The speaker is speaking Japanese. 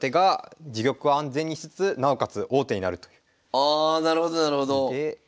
ああなるほどなるほど。